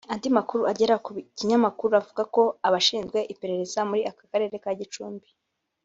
Andi makuru agera ku kinyamakuru avuga ko abashinzwe iperereza muri aka karere ka Gicumbi